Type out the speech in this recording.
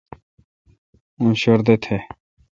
اون شردہ تھ۔